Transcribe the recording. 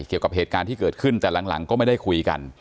เกี่ยวกับเหตุการณ์ที่เกิดขึ้นแต่หลังก็ไม่ได้คุยกัน